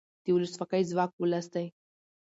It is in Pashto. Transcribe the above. د ولسواکۍ ځواک ولس دی